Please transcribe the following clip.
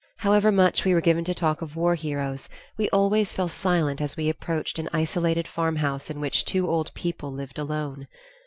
However much we were given to talk of war heroes, we always fell silent as we approached an isolated farmhouse in which two old people lived alone.